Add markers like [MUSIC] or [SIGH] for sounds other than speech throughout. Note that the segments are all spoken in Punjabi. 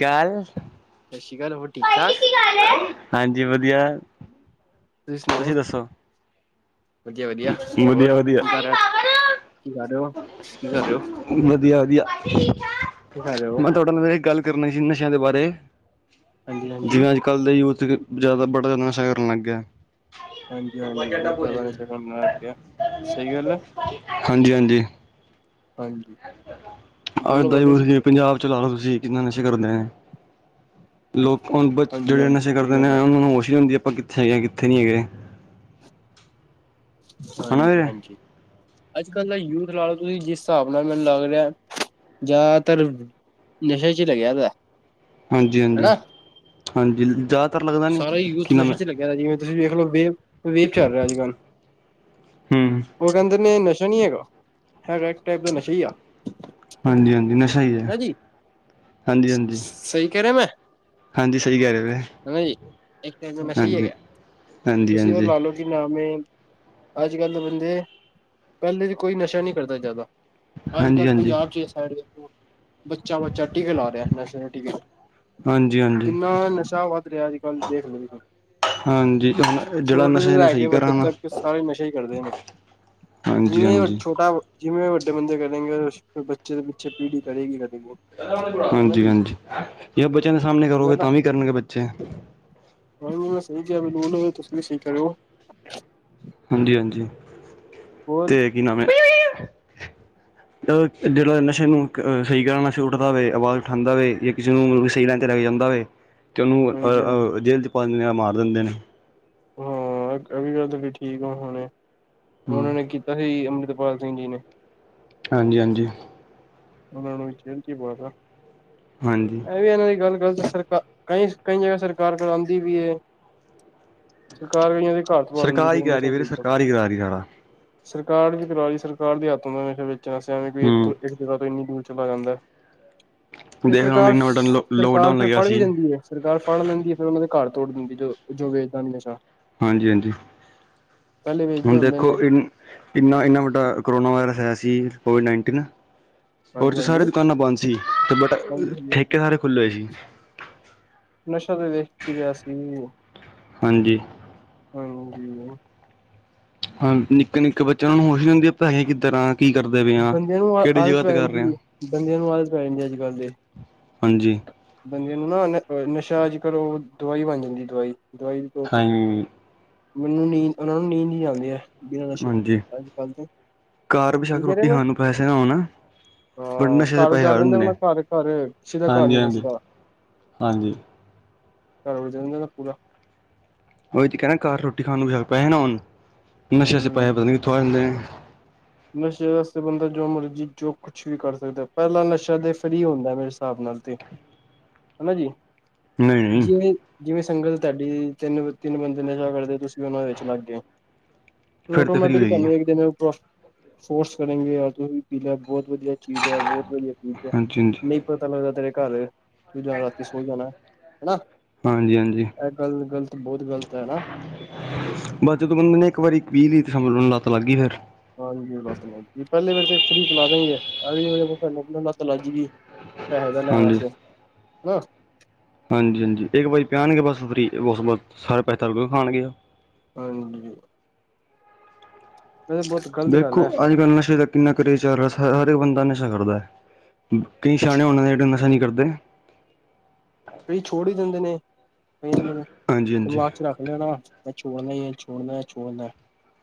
ਕੱਲ ਸਤਿ ਸ਼੍ਰੀ ਅਕਾਲ, ਹੋਰ ਠੀਕ ਠਾਕ। ਹਾਂਜੀ, ਵਧੀਆ। ਤੁਸੀਂ ਸੁਨਾਓ। ਵਧੀਆ-ਵਧੀਆ, ਹੋਰ ਵਧੀਆ ਵਧੀਆ ਵਧੀਆ ਕੀ ਕਰ ਰਿਹਾ, ਕੀ ਕਰ ਰਹੇ ਓ? ਵਧੀਆ-ਵਧੀਆ, ਕੀ ਕਰ ਰਹੇ ਹੋ ਮੈਂ ਤੁਹਾਡੇ ਨਾਲ ਏਹ ਗੱਲ ਨਸ਼ਿਆਂ ਦੇ ਬਾਰੇ ਹਾਂਜੀ ਹਾਂਜੀ ਜਿਵੇਂ। ਕੱਲ ਦੇ ਯੂਥ ਜ਼ਿਆਦਾ ਬੜਾ ਜ਼ਿਆਦਾ ਨਸ਼ਾ ਕਰਨ ਲੱਗਿਆ। ਹਾਂਜੀ ਹਾਂਜੀ ਬਹੁਤ ਜ਼ਿਆਦਾ ਨਸ਼ਾ ਕਰਨ ਲੱਗ ਗਿਆ ਸਹੀ ਗੱਲ ਹੈ ਹਾਂਜੀ। ਹਾਂਜੀ। ਹਾਂਜੀ ਬੋਲੋ ਅੱਜ ਤਾਂ ਬੋਲੋ ਜੀ ਹੀ ਪੰਜਾਬ ਚ ਲਾ ਲਓ ਤੁਸੀਂ ਕਿੰਨਾ ਨਸ਼ੇ ਕਰਦੇ ਨੇ। ਲੋਕ ਹਾਂਜੀ ਜੇੜੇ ਹਾਂਜੀ ਨਸ਼ੇ ਸਹੀ ਕਰਦੇ ਗੱਲ ਨੇ, ਹੈ ਉਹਨਾਂ ਨੂੰ ਹੋਸ਼ ਈ ਨੀ ਹੁੰਦੀ, ਆਪਾਂ ਕਿੱਥੇ ਹੈਗੇ ਕਿੱਥੇ ਨੀ ਹੈਗੇ। ਨਾ ਵੀਰੇ ਹਾਂਜੀ-ਹਾਂਜੀ। ਅੱਜ ਕੱਲ੍ਹ ਦਾ ਯੂਥ ਲਾ ਲਓ ਤੁਸੀਂ ਜਿਸ ਹਿਸਾਬ ਨਾਲ ਮੈਨੂੰ ਲੱਗ ਰਿਹਾ ਜ਼ਿਆਦਾਤਰ ਨਸ਼ੇ 'ਚ ਲੱਗਿਆ ਦਾ। ਹਾਂਜੀ, ਹਾਂਜੀ, ਹਨਾ ਹਾਂਜੀ ਜ਼ਿਆਦਾਤਰ ਲੱਗਦਾ [UNINTELLIGIBLE] ਜਿਵੇ ਤੁਸੀਂ ਵੇਖ ਲੋ, ਵੇਬ, ਵੇਬ ਚੱਲ ਰਿਹਾ ਅੱਜ ਕੱਲ੍ਹ। ਹੂੰ। ਉਹ ਕਹਿੰਦੇ ਨੇ ਨਸ਼ਾ ਨਹੀਂ ਹੈਗਾ, ਹੈਗਾ ਇੱਕ ਟਾਈਪ ਦਾ ਨਸ਼ਾ ਹੀ ਆ। ਹਾਂਜੀ-ਹਾਂਜੀ ਨਸ਼ਾ ਹੀ ਐ, ਹਨਾ ਜੀ ਹਾਂਜੀ-ਹਾਂਜੀ। ਸਹੀ ਕਹਿ ਰਯਾ ਮੈਂ। ਜੀ। ਰਹੇ ਹੋ ਇੱਕ। ਤ। ਮੈਂ। ਸਹੀ। ਹਾਂਜੀ ਹੈਗਾ। ਹਾਂਜੀ ਹਾਂਜੀ ਤੁਸੀਂ। ਹੋਰ। ਲਾ। ਹਾਂਜੀ ਲੋ। ਨਾਂ। ਅੱਜ ਕੱਲ ਬੰਦੇ ਪਹਿਲੇ ਦੀ ਕੋਈ ਨਸ਼ਾ ਨਹੀਂ ਕਰਦਾ ਜ਼ਿਆਦਾ ਅੱਜ ਹਾਂਜੀ ਕੱਲ ਹਾਂਜੀ ਪੰਜਾਬ 'ਚ। ਬੱਚਾ ਬੱਚਾ ਟੀਕੇ ਲਾ ਰਿਹਾ ਨਸ਼ੇ ਟੀਕੇ। ਹਾਂਜੀ ਕਿੰਨਾ ਨਸ਼ਾ ਵੱਧ ਰਿਹਾ ਅੱਜ ਕੱਲ੍ਹ ਦੇਖ ਲੋ। ਹਾਂਜੀ ਹੁਣ ਜਿਹੜਾ ਛੋਟੇ। ਨਸ਼ਾ ਇਹਨੂੰ ਲੈ। ਕੇ। ਸਹੀ ਵੱਡੇ। ਕਰਾਣਾ ਤ। ਸਾਰੇ। ਨਸ਼ਾ। ਹੀ। ਕਰਦੇ। ਨੇ। ਹਾਂਜੀ ਜਿਵੇਂ। ਹਾਂਜੀ ਛੋਟਾ। ਜਿਵੇਂ। ਵੱਡੇ। ਬੰਦੇ। ਕਰੇਗੇ। ਬੱਚੇ। ਦੇ। ਪਿੱਛੇ। ਪੀੜ੍ਹੀ। ਕਰੇਗੀ। ਕਰੇਗੀ। ਹਨਾ ਹਾਂਜੀ। ਜੀ ਹਾਂਜੀ। ਜਾਂ। ਬੱਚਿਆਂ। ਦੇ। ਸਾਹਮਣੇ। ਕਰੋਗੇ। ਤਾਂ। ਵੀ। ਕਰਨਗੇ। ਬੱਚੇ। ਹ ਮ ਸਹੀ ਕਿਹਾ ਬਿਲਲ ਤੁਸੀ ਵੀ ਸਹੀ ਕਰ ਹੋ। ਹਾਂਜੀ-ਹਾਂਜੀ ਹੋਰ ਤੇ ਕੀ ਨਾਮ ਹੈ। ਅ। ਜਿਹੜਾ। ਨਸ਼ੇ। ਨੂੰ। ਅਹ। ਸਹੀ। ਤਰ੍ਹਾਂ। ਨਸ਼ੇ। ਉੱਠਦਾ। ਹੋਵੇ। ਆਵਾਜ਼। ਉਠਉਂਦਾ। ਹੋਵੇ। ਜਾਂ। ਕਿਸੇ। ਨੂੰ। ਸਹੀ। ਤੇ ਲਗ ਜਾਂਦਾ ਵ ਤੇ ਉਹਨੂੰ ਹਾਂਜੀ ਹਾਂਜੀ ਅਹ ਜੇਲ੍ਹ ਚ ਪਾ ਦਿੰਦੇ ਆ ਮਾਰ ਦਿੰਦੇ ਨੇ। ਹਾਂ। ਅਵ। ਗੱਲ। ਤਾਂ। ਠੀਕ। ਆ। ਹੁਣੇ। ਹਮ। ਤਾਂਹੀ। ਅੰਮ੍ਰਿਤਪਾਲ। ਸਿੰਘ। ਜੀ। ਨੇ। ਹਾਂਜੀ-ਹਾਂਜੀ। ਉਹਨਾਂ ਨੂੰ ਜੇਲੵ ਚ ਵਾੜਿਆ ਹਾਂਜੀ। ਇਹ ਵੀ ਇਹਨਾਂ ਦੀ ਗੱਲ ਗੱਲਤ ਸਰ ਕਈ ਕਈ ਜਗ੍ਹਾ ਸਰਕਾਰ ਕਰਾਉਂਦੀ ਵੀ। ਸਰਕਾਰ। ਕਈਆਂ। ਦੀ। ਘਰ। ਚਵਾ। ਦਿੰਦੀ। ਸਰਕਾਰ ਹੀ ਜਿਹੜੇ। ਕਰਾ ਨੇ। ਰਹੀ ਵੀਰੇ ਸਬ। ਸਰਕਾਰ ਹੀ ਕਰਾ ਰਹੀ ਸਾਰਾ ਸਰਕਾਰ। ਦੀ। ਕਰਵਾ। ਲਈ। ਸਰਕਾਰ। ਦੇ। ਹੱਤੋਂ। ਦਾ। ਹੇ। ਵੇਚਣਾਵੇਂ। ਹੂੰ ਜਗ੍ਹਾ ਤੋਂ ਇੰਨੀ ਦੂਰ ਚਲਾ ਜਾਂਦਾ ਤੇ ਦੇਖ ਹੁਣ ਸਰਕਾਰ ਇੰਨਾ ਵੱਡਾ ਸਰਕਾਰ ਲੋਕਡਾਊਨ ਫਿਰ ਲੱਗਿਆ ਫੜ ਵੀ ਸੀ ਦਿੰਦੀ ਹੈ। ਸਰਕਾਰ ਫੜ ਲੈਂਦੀ ਹੈ ਫੇਿਰ ਉਹਨਾ ਦੇ ਘਰ ਤੋੜ ਦਿੰਦੀ ਜੋ ਵੇਦ ਨਸ਼ਾ। ਹਾਂਜੀ ਹਾਂਜੀ ਪਹਿਲੇ ਵੇਚਦੇ ਹੁਣ ਹੁੰਦੇ ਨੇ ਦੇਖੋ ਇ। ਇੰਨਾ ਇੰਨਾ ਵੱਡਾ ਕਰੋਨਾ ਵਾਇਰਸ ਹੋਇਆ ਸੀ ਕੋਵਿਡ ਨਾਈਨਟੀਨ। ਉਹਦੇ ਹਾਂਜੀ ਚ ਹਾਂਜੀ ਸਾਰੇ ਦੁਕਾਨਾਂ ਬੰਦ ਸੀ ਤੇ ਬਟ ਹਾਂਜੀ ਹਾਂਜੀ ਠੇਕੇ ਸਾਰੇ ਖੁੱਲੇ ਹੋਏ ਸੀ। ਨਸ਼ਾ ਤੇ ਵੇਖ ਹੀ ਰਿਹਾ ਸੀ। ਹਾਂਜੀ। ਹਮਜੀ। ਹਾਂ ਨਿੱਕੇ ਨਿੱਕੇ ਬੱਚੇ ਉਹ ਨੂੰ ਖੁਸ਼ੀ ਹੁੰਦੀ ਹੈ ਪੈਸ ਕਿੱਦਰਾਂ। ਬੰਦਿਆਂ ਨੂੰ ਆ ਆਦਤ ਪੈ ਆ ਜਾਂਦੀ ਹੈ। ਬੰਦਿਆਂ ਨੂੰ ਆਦਤ ਪੈ ਜਾਂਦੀ ਹੈ ਅੱਜ ਕੱਲ੍ਹ ਦੇ। ਹਾਂਜੀ। ਬੰਦਿਆਂ ਨੂੰ ਨਾ ਨਸ਼ਾ ਅੱਜਕੱਲ ਉਹ ਦਵਾਈ ਬਣ ਜਾਂਦੀ ਹੈ। ਦਵਾਈ ਦਵਾਈ ਦੇ ਤੌਰ ਤੇ। ਹਾਂਜੀ ਮੈਨੂੰ ਨੀਂਦ ਉਹਨਾ ਨੂੰ ਨੀਂਦ ਹੀਂ ਆਉਦੀ ਹੈ। ਬਿਨਾਂ ਨਸ਼ੇ ਹਾਂਜੀ ਤੋਂ ਅੱਜ ਕੱਲ ਦੇ ਘਰ ਕੀ ਬੇਸ਼ੱਕ ਕਹਿ ਰਿਹਾ ਰੋਟੀ ਗਾ। ਖਾਣ ਨੂੰ ਪੈਸੇ ਨਾ ਹੋਣ ਬਟ ਹਾਂ ਨਸ਼ੇ ਦੇ ਘਰ ਪੈਸੇ ਉਜਾੜ ਹਰ ਦਿੰਦੇ ਹੁੰਦੇ ਨੇ ਹਾਂ ਘਰ ਘਰ ਕਿਸੇ ਦਾ ਘਰ ਨੀ ਵਸਦਾ। ਹਾਂਜੀ-ਹਾਂਜੀ, ਹਾਂਜੀ। ਘਰ ਉਜਾੜ ਜਾਂਦਾ ਪੂਰਾ ਉਹੀ ਤੇ ਕਹਿਣਾ ਘਰ ਰੋਟੀ ਖਾਣ ਨੂੰ ਪੈਹੇ ਨਾ ਹੋਣ ਨਸ਼ੇ 'ਚ ਹੂੰ ਪੈਹੇ ਪਤਾ ਨਹੀਂ ਕਿੱਥੋਂ ਆ ਜਾਂਦੇ ਨੇ। ਨਸ਼ੇ ਵਾਸਤੇ ਬੰਦਾ ਜੋ ਮਰਜੀ ਚੁੱਕ। ਕੁਛ ਵੀ ਕਰ ਸਕਦੇ ਪਹਿਲਾਂ ਨਸ਼ਾ ਤੇ ਫਰੀ ਹੁੰਦਾ ਮੇਰੇ ਹਿਸਾਬ ਨਾਲ ਤੇ ਹਨਾ ਜੀ। ਨਹੀਂ ਨਹੀਂ ਜਿਵੇਂ ਜਿਵੇਂ ਸਿਗਲ ਤੁਹਾਡੀ ਤਿੰਨ ਤਿੰਨ ਬੰਦੇ ਨਸ਼ਾ ਕਰਦੇ ਤੁਸੀਂ। ਤੁਸੀਂ ਵੀ ਉਹਨਾਂ ਵਿੱਚ ਲੱਗ ਗਏ। ਫਿਰ ਤਾਂ ਫਰੀ ਆਟੋਮੈਟਿਕ ਹੋਏਗੀ ਤੁਹਾਨੂੰ ਇੱਕ ਦਿਨ। ਫੋਰਸ ਕਰੇਗੇ ਯਦੂ ਵੀ ਪੀ ਲੈ ਬਹੁਤ ਵਧੀਆ ਚੀਜ਼ ਹੈ ਬਹੁਤ ਵਧੀਆ ਚੀਜ਼ ਹੈ ਹਾਂਜੀ ਹਾਂਜੀ ਨਹੀਂ। ਪਤਾ ਲੱਗਦਾ ਤੇਰੇ ਘਰ ਤੂੰ ਜਾ ਰਾਤੀ ਸੋ ਜਾਣਾ ਹਨਾ। ਹਾਂਜੀ ਹਾਂਜੀ ਇਹ ਗੱਲ ਗ਼ਲਤ ਬਹੁਤ ਗ਼ਲਤ ਹੈਾ। ਬਸ ਜਦੋਂ ਬੰਦੇ ਨੇ ਇੱਕ ਵਾਰੀ ਵੀਹ ਲੀਤ ਸੰਭ ਨੂੰ ਲੱਤ ਲੱਗਈ ਫੇਿਰ। ਹਾਂਜੀ ਲੱਤ ਲੱ ਗਈ ਪਹਿਲੇ ਵੇ ਤੇ ਫਰੀ ਖਿਲਾ ਦਗੇਂ ਲੱਤ ਲੱਗ ਜਾਏ ਗਈ। ਫਾਇਦਾ ਲੈਣ ਹਾਂਜੀ ਆਸਤੇ ਨਾ ਹਾਂਜੀ -ਹਾਂਜੀ ਇੱਕ ਵਾਰੀ ਕਹਿਣਗੇ ਬਸ ਫਰੀ ਉਸ ਤੋਂ ਬਾਅਦ ਸਾਰੇ ਪੈਹੇ ਤੁਹਾਡੇ ਕੋਲੋ ਖਾਣਗੇ। ਹਾਂਜੀ ਜੀ। ਨਾਲੇ ਬਹੁਤ ਗ਼ਲਤ ਗੱਲ ਦੇਖੋ ਹੈ ਅੱਜ ਕੱਲ੍ਹ ਨਸ਼ੇ ਦੇ ਕਿੰਨਾ ਕਰੀ ਜਾ ਯਾਰ ਸਾਰੇ ਹਰ ਇੱਕ ਬੰਦਾ ਨਸ਼ਾ ਕਰਦਾ ਹੈ ਕਈ ਸਿਆਣੇ ਹੁੰਦੇ ਨੇ ਜਿਹੜੇ ਨਸ਼ਾ ਨਹੀਂ ਕਰਦੇ। ਕਈ ਛੋੜ ਵੀ ਦਿੰਦੇ ਨੇ ਹਾਂਜੀ ਹਾਂਜੀ ਦਿਮਾਗ 'ਚ ਰੱਖ ਮੈਂ ਛੋੜਨਾ ਹੀ ਛੋੜਨਾ- ਛੋੜਨਾ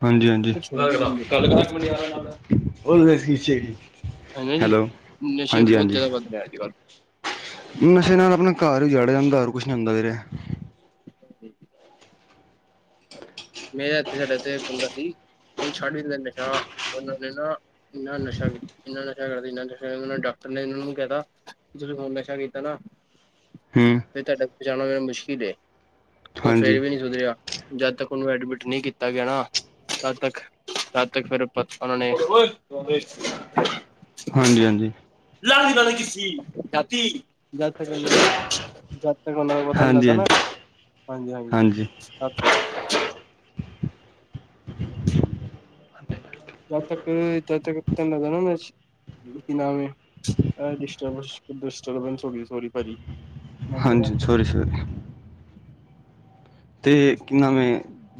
ਹਾਂਜੀ- ਹਾਂਜੀ [UNINTELLIGIBLE] ਫਿਰ ਛੋੜ ਹੀ ਦਿੰਦੇ ਨੇ। ਹਨਾ ਜੀ ਹੈਲੋ ਨਸ਼ੇ ਹਾਂਜੀ ਬਹੁਤ ਹਾਂਜੀ ਜ਼ਿਆਦਾ ਵੱਧ ਰਿਹਾ ਹੈ ਅੱਜ ਕੱਲ੍ਹ ਨਸ਼ੇ ਨਾਲ ਆਪਣਾ ਘਰ ਵੀ ਉਜਾੜਿਆ ਜਾਂਦਾ ਹੋਰ ਕੁਛ ਨੀ ਹੁੰਦਾ ਵੀਰੇ [INAUDIBLE] [INAUDIBLE] ਮੇਰਾ ਇੱਥੇ ਸਾਡੇ ਇੱਥੇ ਬੰਦਾ ਸੀ ਬਈ ਛੱਡ ਵੀ ਦਿੰਦਾ ਨਸ਼ਾ ਉਹਨਾਂ ਨੇ ਨਾ ਇੰਨਾ ਨਸ਼ਾ ਇੰਨਾ ਨਸ਼ਾ ਕਰਦੇ ਇੰਨਾ ਨਸ਼ਾ ਡਾਕਟਰ ਨੇ ਇਹਨਾਂ ਨੂੰ ਕਹਿ ਤਾ ਜਦੋਂ ਹੁਣ ਨਸ਼ਾ ਕੀਤਾ ਨਾ ਹੂੰ ਫਿਰ ਤੁਹਾਡੇ ਬਚਾਉਣਾ ਮੇਰਾ ਮੁਸ਼ਕਿਲ ਏ ਉਹ ਫੇਰ ਹਾਂਜੀ ਵੀ ਨਹੀਂ ਸੁਧਰਿਆਂ ਜਦ ਤੱਕ ਉਹਨੂੰ ਐਡਮਿਟ ਨਹੀਂ ਕੀਤਾ ਗਿਆ ਨਾ ਤਦ ਤੱਕ -ਤਦ ਤੱਕ ਫੇਰ ਉਹਨਾਂ ਨੇ [INAUDIBLE] ਹਾਂਜੀ -ਹਾਂਜੀ [UNINTELLIGIBLE] ਜਦ ਤੱਕ ਉਹਨਾਂ ਦਾ ਪਤਾ ਨੀ ਹਾਂਜੀ ਲੱਗਦਾ ਹਾਂਜੀ ਨਾ ਹਾਂਜੀ- ਹਾਂਜੀ [INAUDIBLE] ਜਦ ਤੱਕ ਜਦੋਂ ਤੱਕ [UNINTELLIGIBLE] ਕੀ ਨਾਮ ਇਹ ਡਿਸਟਰਵੈਸ - ਡਿਸਟਰਬੰਸ ਹੋ ਗਈ ਸੌਰੀ ਭਾਜੀ। ਮੈਂ ਕਹਿ ਹਾਂਜੀ ਸੋਰੀ ਸਰ ਤੇ ਕਿ ਨਾਮ ਆ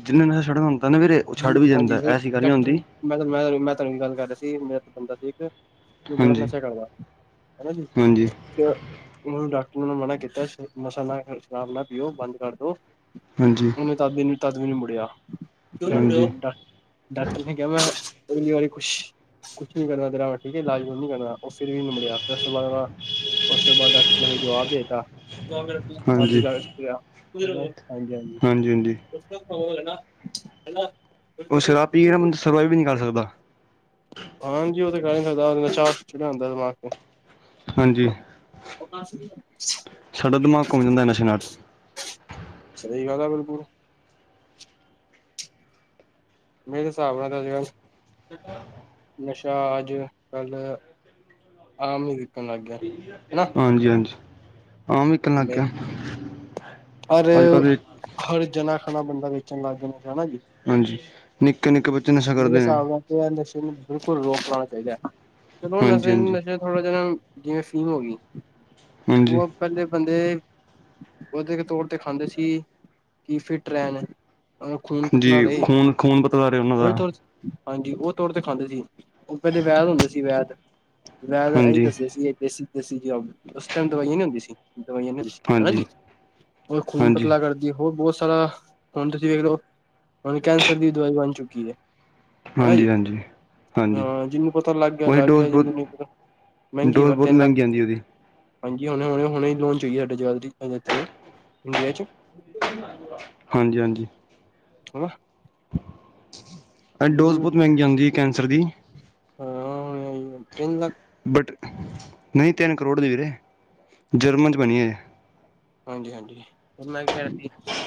ਜਿੰਨੇ ਨਸ਼ਾ ਛੱਡਣਾ ਹੁੰਦਾ ਨਾ ਵੀਰੇ ਉਹ ਛੱਡ ਜੀ ਵੀ ਹਾਂਜੀ ਜਾਂਦਾ ਐਸੀ ਗੱਲ ਨੀ ਡਾਕਟਰ ਹੁੰਦੀ। ਮੈਂ ਤਾਂ ਮੈਂ -ਮੈਂ ਤੁਹਾਨੂੰ ਇਹ ਗੱਲ ਕਰ ਰਿਹਾ ਸੀ ਮੇਰਾ ਤਾਂ ਬੰਦਾ ਸੀ ਇੱਕ ਤੂੰ ਬੜਾ ਹਾਂਜੀ ਨਸ਼ਾ ਕਰਦਾ ਹਨਾ ਜੀ। ਹਾਂਜੀ ਉਹਨੂੰ ਡਾਕਟਰ ਨੇ ਮਨਾ ਕੀਤਾ ਸੀ ਨਸ਼ਾ ਨਾ ਸ਼ਰਾਬ ਨਾ ਪੀਓ ਬੰਦ ਕਰ ਦੋ ਹਾਂਜੀ ਤਦ -ਤਦ ਵੀ ਨੀ ਮੁੜਿਆ ਹਾਂਜੀ [INAUDIBLE] ਡਾਕਟਰ ਨੇ ਕਿਹਾ ਮੈਂ ਅਗਲੀ ਵਾਰੀ ਕੁਛ ਕੁਛ ਨੀ ਕਰਨਾ ਦਰਾ ਠੀਕ ਹੈ ਇਜ ਨੀ ਕਰਨਾ ਉਹ ਫਿਰ ਵੀ ਨ ਮੁੜਿਆ ਫਿਰ ਉਸ ਤੋਂ ਬਾਅਦ ਨਾ ਉਸ ਤੋਂ ਬਾਅਦ ਡਾਕਟਰ ਨੇ ਜਵਾਬ ਦੇ ਤਾ ਹਾਂਜੀ ਹਾਂਜੀ ਹਾਂਜੀ [UNINTELLIGIBLE] ਹੈਲੋ ਉਹ ਸ਼ਰਾਬ ਪੀ ਕੇ ਨਾ ਬੰ ਸਰਵਾਈਵ ਵੀ ਨਹੀਂ ਕਰ ਸਕਦਾ। ਹਾਂਜੀ ਉਹ ਤੇ ਕਹਿ ਨ ਸਕਦਾ ਨਸ਼ਾ ਚੜਿਆ ਹੁੰਦਾ ਦਿਮਾਗ 'ਚ ਹਾਂਜੀ [INAUDIBLE] ਸਾਡਾ ਦਿਮਾਗ ਘੁੰਮ ਜਾਂਦਾ ਨਸ਼ੇ ਨਾਲ [UNINTELLIGIBLE] ਸਹੀ ਗੱਲ ਆ ਬਿਲਕੁਲ ਮੇਰੇ ਹਿਸਾਬ ਨਾਲ ਤਾਂ ਅਜ ਕੱਲ ਨਸ਼ਾ ਅੱਜ ਕੱਲ ਹਾਂ ਮੈਨੂੰ ਵੇਖਣ ਲੱਗ ਗਿਆ ਹਨਾ। ਹਾਂਜੀ -ਹਾਂਜੀ ਹਾਂ ਆਮ ਵਿੱਕਣ ਲੱਗ ਗਿਆ ਹਰ ਅੱਜ ਕੱਲ੍ਹ ਦੇ ਹਰ ਜਨਾ ਖਣਾ ਬੰਦਾ ਵੇਚਣ ਲੱਗ ਜਾਂਦਾ ਹਨਾ ਜੀ। ਹਾਂਜੀ ਨਿੱਕੇ -ਨਿੱਕੇ ਬੱਚੇ ਨਸ਼ਾ ਮੇਰੇ ਕਰਦੇ ਨੇ। ਹਿਸਾਬ ਨਾਲ ਨਸ਼ੇ ਨੂੰ ਬਿਲਕੁਲ ਰੋਕ ਲਾਉਣਾ ਚਾਹੀਦਾ ਹੈ ਚਲੋ ਹਾਂਜੀ ਨਸ਼ੇ ਨੂੰ ਹਾਂਜੀ ਨਸ਼ੇ ਥੋੜਾ ਜਿਹਾ ਜਿਵੇਂ ਫੀਮ ਹੋ ਗਈ ਹਾਂਜੀ ਉਹ ਪਹਿਲੇ ਬੰਦੇ ਉਹਦੇ ਤੋੜ ਤੇ ਖਾਂਦੇ ਸੀ ਕਿ ਫਿੱਟ ਰਹਿਣ ਅਹ ਖੂਨ ਪਤਲਾ ਹਾਂਜੀ ਰਹੇ। ਖੂਨ ਖੂਨ ਪਤਲਾ ਰਹੇ ਉਹਨਾਂ ਦਾ ਉਹਦੇ ਤੌਰ ਹਾਂਜੀ ਉਹ ਤੋੜ ਤੇ ਖਾਂਦੇ ਸੀ। ਉਹ ਪਹਿਲੇ ਵੈਦ ਹੁੰਦੇ ਸੀ ਵੈਦ। ਮੈਂ ਤਾਂ ਇਹੀ ਹਾਂਜੀ ਦੱਸਿਆ ਸੀ ਇਹ ਦੇਸੀ -ਦੇਸੀ ਉਸ ਟਾਈਮ ਦਵਾਈਆਂ ਨੀ ਹੁੰਦੀ ਸੀ ਦਵਾਈਆਂ ਨੀ ਹੁੰਦੀ ਸੀ। ਹਨਾ ਹਾਂਜੀ ਜੀ ਉਹ ਖੂਨ ਹਾਂਜੀ ਹਾਂਜੀ ਪਤਲਾ ਕਰਦ ਜੀ ਹੋਰ ਬਹੁਤ ਸਾਰਾ ਹੁਣ ਤੁਸੀਂ ਵੇਖ ਲਓ ਹੁਣ ਕੈਂਸਰ ਦੀ ਦਵਾਈ ਬਣ ਚੁੱਕੀ ਹੈ। ਹਨਾ ਜੀ ਹਾਂਜੀ ਹਾਂਜੀ ਹਾਂ ਜਿਹਨੂੰ ਪਤਾ ਲੱਗ ਗਿਆ ਉਹੀ ਲੱਗ ਡੋਜ਼ ਗਿਆ ਬਹੁਤ ਜਿਹਨੂੰ ਨ ਪਤਾ ਮਹਿੰਗੀ ਡੋਜ਼ ਪਰ ਬਹੁਤ ਤਿੰਨ ਲੱਖ ਮਹਿੰਗੀ ਆਉਂਦੀ ਉਹਦੀ ਹਾਂਜੀ ਹੁਣੇ ਹੁਣੇ -ਹੁਣੇ ਲੋਨ ਚਾਹੀਏ ਸਾਡੇ ਜ਼ਿਆ ਇੱਥੇ ਇੰਡੀਆ 'ਚ [INAUDIBLE] [UNINTELLIGIBLE] ਹਾਂਜੀ -ਹਾਂਜੀ ਹ [INAUDIBLE] ਡੋਜ਼ ਬਹੁਤ ਹਾਂ ਮਹਿੰਗੀ ਹੁੰਦੀ ਹੈ ਕੈਂਸਰ ਦੀ ਹਾਂ ਤਿੰਨ ਲੱਖ ਬਟ ਨਹੀਂ ਤਿੰਨ ਕਰੋੜ ਦੀ ਵੀਰੇ ਜਰਮਨ 'ਚ ਬਣੀ ਹੈਜੇ। ਹਾਂਜੀ -ਹਾਂਜੀ ਮੈਂ ਕੀ ਕਹਿਣਾ ਸੀ।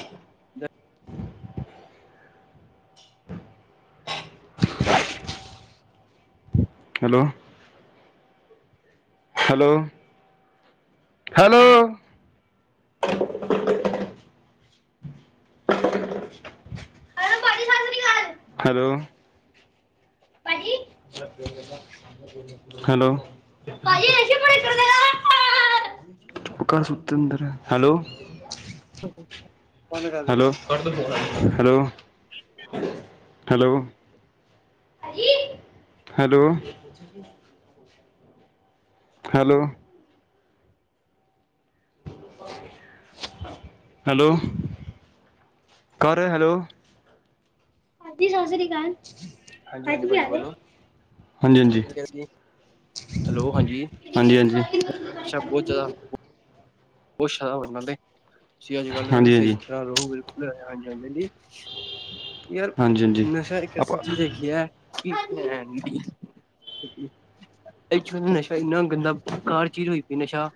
ਹੈਲੋ ਹੈਲੋ- ਹੈਲੋ ਭਾਜੀ ਸਤਿ ਸ਼੍ਰੀ ਅਕਾਲ ਹੈਲੋ ਹੈਲੋ [UNINTELLIGIBLE] ਹੈਲੋ [INAUDIBLE] [INAUDIBLE] ਕਰ ਦੇ hello- [UNINTELLIGIBLE] hello hello [INAUDIBLE] hello [INAUDIBLE] [UNINTELLIGIBLE] hello hello ਕਰ ਰਹੇ ਹੈਲੋ ਹਾਂਜੀ ਸਤ ਸ੍ਰੀ ਅਕਾਲ ਹਾਂਜੀ ਹਾਜੀ ਕੀ ਭਾਜੀ ਹਾਲ ਬੋਲੋ ਹਾਂਜੀ -ਹਾਂਜੀ। ਹੈਲੋ ਹਾਂਜੀ ਹਾਂਜੀ ਹਾਂਜੀ ਹਾਂਜੀ ਅੱਛਾ ਬਹੁਤ ਜ਼ਿਆਦਾ [UNINTELLIGIBLE] ਉਹਛਦਾ ਬਨਾਂ [UNINTELLIGIBLE] ਦੇ ਤੁਸੀਂ ਅੱਜ ਕੱਲ ਹਾਂਜੀ ਸਹੀ ਤਰ੍ਹਾਂ ਰਹੋ ਬਿਲਕੁਲ ਹਾਂਜੀ ਹਾਂਜੀ। ਯਾਰ ਹਾਂਜੀ ਹਾਂਜੀ ਨਸ਼ਾ ਇੱਕ ਐਸੀ ਆਪਾਂ ਚੀਜ਼ ਹੈਗੀ ਹੈ ਕਿ ੱ ਨਸ਼ਾ ਇੰਨਾ ਗੰਦਾ ਹਰ ਚੀਜ਼ ਹੋਈ ਪਈ ਨਸ਼ਾ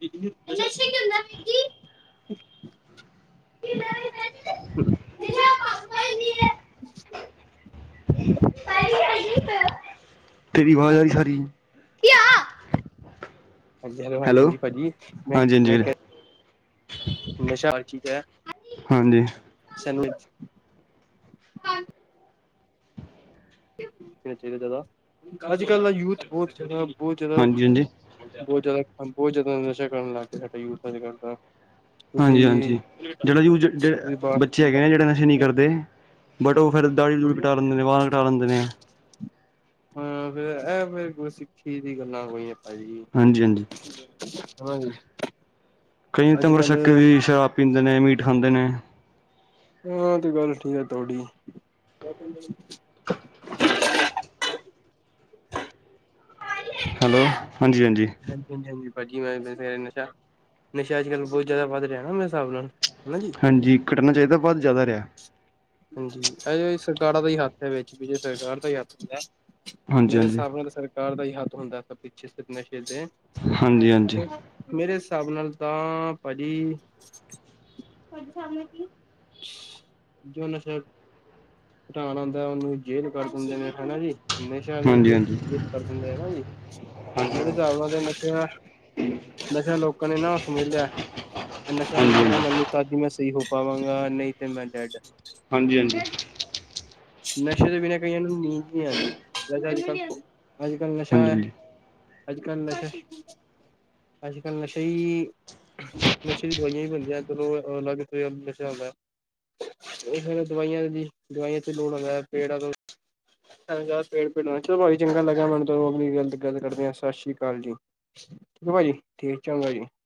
[UNINTELLIGIBLE] ਹੇਨੀ ਫੇਰ [UNINTELLIGIBLE] ਤੇਰੀ ਆਵਾਜ਼ ਆਹੀ ਸਾਰੀ ਕਿਆ ਹਾਂਜੀੋ ਹਾਂਜੀ ਹਾਂਜੀ ਭਾਅਜੀ ਮੈਂ ਹਾਂਜੀ ਹਾਂਜੀ ਮੈਂ ਵੀਰੇ ਕਿਹਾ ਨਸ਼ਾਰ ਚੀਕ ਹੈ ਹਾਂਜੀ ਹਾਂਜੀ ਸੈਂਡਵਿਚ ਚਾਹੀਦਾ ਜ਼ਿਆਦਾ ਅੱਜ ਕੱਲ੍ਹ ਦਾ ਯੂਥ ਬਹੁਤ ਜ਼ਿਆਦਾ ਬਹੁਤ ਜ਼ਿਆਦਾ ਹਾਂਜੀ ਬਹੁਤ ਜਾਦਾ ਬਹੁਤ ਜਾਦਾ ਨਸ਼ਾ ਕਰਨ ਲੱਗ ਗਿਆ ਯੂਥ ਅੱਜ ਕਲ ਦਾ। ਹਾਂਜੀ-ਹਾਂਜੀ ਤੁਸੀਂ ਜਿਹੜਾ ਯੂ ਇਹ ਬੱਚੇ ਹੈਗੇ ਨੇ ਜਿਹੜੇ ਨਸ਼ੇ ਨੀ ਕਰਦੇ ਬਟ ਉਹ ਫੇਰ ਦਾੜੀ ਦੂੜੀ ਕਟਾ ਲੈਂਦੇ ਨੇ ਬਾਲ ਕਟਾ ਲੈਂਦੇ ਨੇ। ਹਾਂ ਫੇਰ ਇਹ ਫੇਰ ਕੋਈ ਸਿੱਖੀ ਦੀਆ ਗੱਲਾਂ ਕੋਈ ਨੀ ਭਾਜੀ ਹਾਂਜੀ ਹਾਂਜੀ ਹਾਂਜੀ ਕਈ ਤਾਂਗਰ ੱਕੇ ਵੀ ਸ਼ਰਾਬ ਪੀਂਦੇ ਨੇ ਮੀਟ ਖਾਂਦੇ ਨੇ ਹਾਂ ਤੇ ਗੱਲ ਠੀਕ ਆ ਤੁਹਾਡੀ [INAUDIBLE] [INAUDIBLE] [UNINTELLIGIBLE] ਹਾਂਜੀ ਹੈਲੋ ਹਾਂਜੀ- ਹਾਂਜੀ ਹਾਂਜੀ -ਹਾਂਜੀ ਭਾਜੀ ਮੈਂ ਨਸ਼ਾ- ਨਸ਼ਾ ਅੱਜ ਕੱਲ ਬਹੁਤ ਜ਼ਿਆਦਾ ਵੱਧ ਰਿਹਾ ਨਾ ਮੇਰੇ ਹਿਸਾਬ ਨਾਲ ਹਨਾ ਜੀ। ਹਾਂਜੀ ਘੱਟਣਾ ਚਾਹੀਦਾ ਬਹੁਤ ਜ਼ਿਆਦਾ ਰਿਹਾ। ਹਾਂਜੀ ਅ ਸਰਕਾਰਾਂ ਦਾ ਹੀ ਹੱਥ ਹੈ ਵਿੱਚ ਸਰਕਾਰ ਦਾ ਹੀ ਹੱਥ ਹੈਗਾ। ਹਾਂਜੀ ਮੇਰੇ ਹਾਂਜੀ ਹਿਸਾਬ ਨਾਲ ਸਰਕਾਰ ਦਾ ਹੀ ਹੱਥ ਹੁੰਦਾ ਪਿੱਛੇ ਨਸ਼ੇ ਦੇ। ਹਾਂਜੀ ਹਾਂਜੀ ਹਾਂਜੀ ਮੇਰੇ ਹਿਸਾਬ ਨਾਲ ਤਾਂ ਭਾਜੀ ਤੁਹਾਡੇ ਸਾਬ ਕੀ ਜੋ ਨਸ਼ਾ ਘਟਾਣ ਆਉਂਦਾ ਉਹਨੂੰ ਜੇਲ ਕਰ ਦਿੰਦੇ ਨੇ ਹਨਾ ਜੀ। ਨਸ਼ਾ [UNINTELLIGIBLE] ਹਾਂਜੀ ਹਾਂਜੀ ਕਰ ਦਿੰਦੇ ਹਨਾ ਜੀ ਹਾਂਜੀ ਮੇਰੇ ਹਿਸਾਬ ਨਾਲ ਤੇ ਨਸ਼ਾ ਨਸ਼ਾ ਲੋਕਾਂ ਨੇ ਨਾ ਸਮਝ ਲਿਆ ਨਸ਼ਾ ਮਿਲੇਗਾ ਹਾਂਜੀ ਮੈਨੂੰ ਤਾਂਹੀ ਮੈਂ ਸਹੀ ਹੋ ਪਾਵਾਂਗਾ ਨਹੀਂ ਤੇ ਮੈਂ ਡੈਡ। ਹਾਂਜੀ ਹਾਂਜੀ ਨਸੇ ਤੋ ਬਿਨ ਕਈਆ ਨੂੰ ਨੀਂਦ ਵੀ ਆਦੀ ਅੱਜ ਕੱਲ ਨਸ਼ਾ, ਹਾਂਜੀ ਅੱਜ ਕੱਲ ਨਸ਼ਾ, ਅੱਜ ਕੱਲ ਈ ਨਸ਼ੇ ਦੀ ਦਵਾਈਆਂ ਵੀ ਬਣਦੀਆਂ ਅਜ ਕਲ ਅਲੱਗ ਨਸ਼ਾ ਹੁੰਦਾ। ਉਹ ਫਿਰ ਦਵਾਈਆਂ ਦੀ ਦਵਾਈਆਂ ਚ ਲੋੜ ਹੋਗਾ ਹੈ ਪੇੜਾਂ ਤੋਂ [UNINTELLIGIBLE] ਚੰਗਾ ਲੱਗਾ ਮੈਨੂੰ ਗੱਲ ਕਰਕੇ ਆ ਸਤਿ ਸ਼੍ਰੀ ਅਕਾਲ ਜੀ। [UNINTELLIGIBLE]